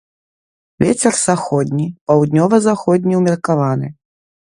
Вецер заходні, паўднёва-заходні ўмеркаваны.